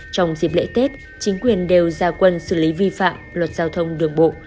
trong dịp lễ tết chính quyền đều ra quân xử lý vi phạm luật giao thông đường bộ